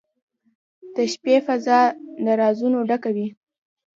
• د شپې فضاء د رازونو ډکه وي.